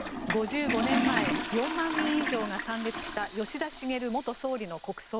５５年前、４万人以上が参列した吉田茂元総理の国葬。